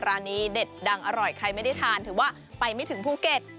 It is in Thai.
ร้านนี้เด็ดดังอร่อยใครไม่ได้ทานถือว่าไปไม่ถึงภูเก็ต